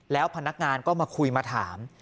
แล้วพนักงานก็มาคุยมาถาม